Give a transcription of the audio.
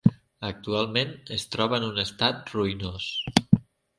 Actualment es troba en un estat ruïnós.